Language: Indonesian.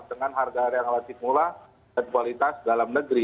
dengan harga renalasi mula dan kualitas dalam negeri